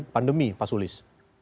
pasca pandemi pak sulis